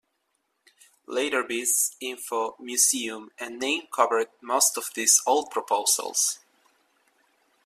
Later biz, info, museum, and name covered most of these old proposals.